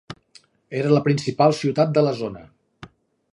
Era la principal ciutat de la zona.